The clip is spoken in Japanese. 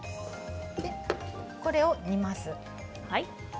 これを煮ます。